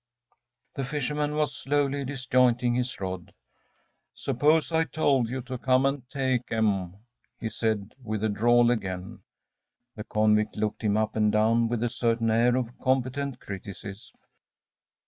‚ÄĚ The fisherman was slowly disjointing his rod. “Suppose I told you to come and take 'em?‚ÄĚ he said, with the drawl again. The convict looked him up and down with a certain air of competent criticism.